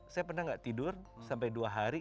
saya pernah nggak tidur sampai dua hari